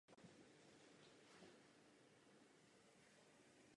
Neříká, proč svou úlohu nehrál on.